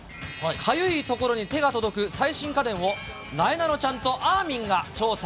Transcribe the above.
かゆいところに手が届く、最新家電を、なえなのちゃんとあーみんが調査。